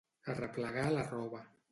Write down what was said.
Arreplegar la roba.